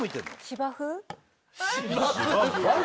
芝生。